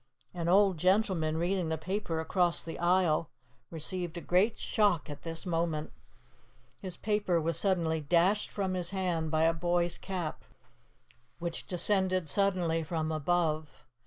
An old gentleman, reading his paper across the aisle, received a great shock at this moment. His paper was suddenly dashed from his hand by a boy's cap, which descended suddenly from above.